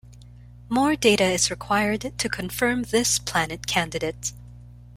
More data is required to confirm this planet candidate.